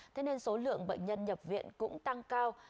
thế nên số lượng bệnh nhân nhập viện cũng tăng cao